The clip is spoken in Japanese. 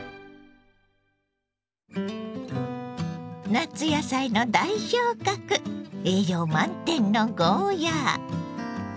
夏野菜の代表格栄養満点のゴーヤー。